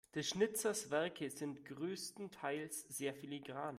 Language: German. Des Schnitzers Werke sind größtenteils sehr filigran.